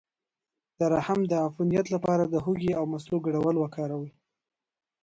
د رحم د عفونت لپاره د هوږې او مستو ګډول وکاروئ